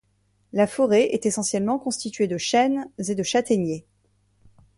La forêt est essentiellement constituée de chênes et de châtaigniers.